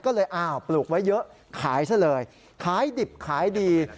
ก็เลยอ้าวปลูกไว้เยอะขายซะเลยขายดิบขายดี